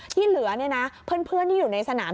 ที่เหลือเพื่อนที่อยู่ในสนาม